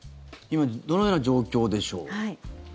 今どのような状況でしょう。